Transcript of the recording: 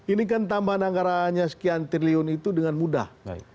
ini kan tambahan anggarannya sekian triliun itu dengan mudah